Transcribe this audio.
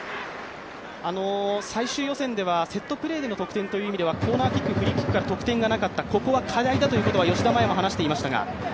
最終予選ではセットプレーでの得点という意味ではコーナーキック、フリーキックの得点がなかったここが課題だということは吉田麻也も話していましたが。